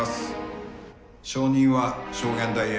証人は証言台へ。